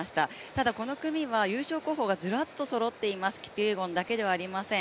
ただこの組は優勝候補がずらっとそろっています、キピエゴンだけではありません。